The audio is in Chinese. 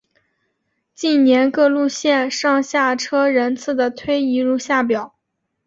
近年各路线上下车人次的推移如下表。